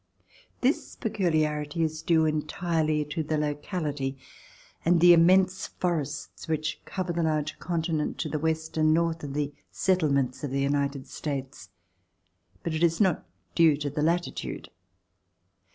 This peculiarity is due entirely to the locality and the immense forests which cover the large continent to the west and north of the settlements of the United States, but is not due to the latitude.